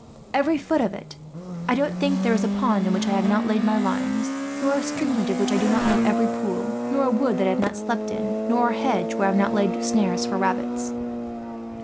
"Every foot of it. I don't think that there is a pond in which I have not laid my lines, not a streamlet of which I do not know every pool, not a wood that I have not slept in, nor a hedge where I have not laid snares for rabbits.